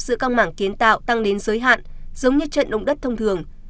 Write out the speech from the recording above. giữa các mảng kiến tạo tăng đến giới hạn giống như trận động đất thông thường